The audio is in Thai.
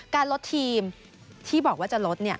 การลดทีมที่บอกว่าจะลด